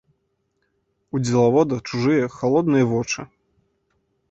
У дзелавода чужыя халодныя вочы.